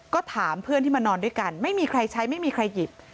ก็ถามเพื่อนที่มานอนด้วยกันไม่มีใครใช้ไม่มีใครหยิบ